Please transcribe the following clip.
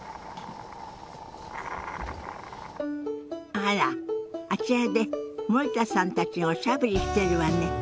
あらあちらで森田さんたちがおしゃべりしてるわね。